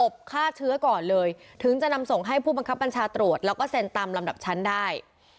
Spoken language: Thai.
ฆ่าเชื้อก่อนเลยถึงจะนำส่งให้ผู้บังคับบัญชาตรวจแล้วก็เซ็นตามลำดับชั้นได้